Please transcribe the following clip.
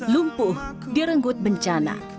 lumpuh direnggut bencana